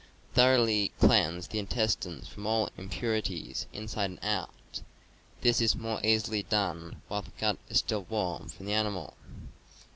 Thor oughly cleanse the intestine from all impurities, inside and out; this is more easily done while the gut is still warm from the animal.